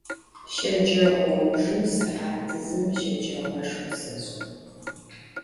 Şeceğoujjım sıhat zım şecağoşşxe seş'ı.